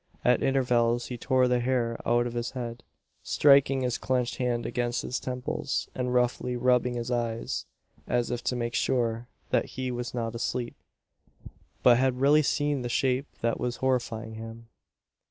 At intervals he tore the hair out of his head, striking his clenched hand against his temples, and roughly rubbing his eyes as if to make sure that he was not asleep, but had really seen the shape that was horrifying him.